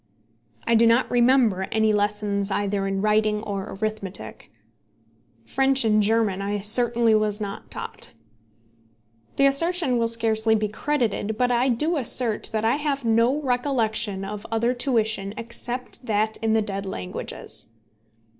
I do not remember any lessons either in writing or arithmetic. French and German I certainly was not taught. The assertion will scarcely be credited, but I do assert that I have no recollection of other tuition except that in the dead languages.